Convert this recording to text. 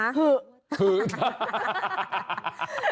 หึ